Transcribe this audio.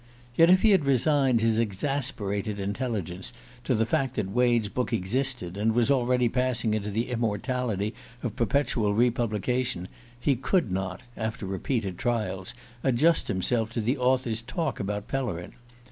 Yet if he had resigned his exasperated intelligence to the fact that Wade's book existed, and was already passing into the immortality of perpetual republication, he could not, after repeated trials, adjust himself to the author's talk about Pellerin.